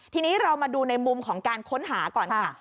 ทีนี้เรามาดูในมุมของการค้นหาก่อนค่ะ